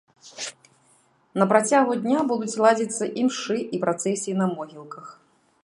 На працягу дня будуць ладзіцца імшы і працэсіі на могілках.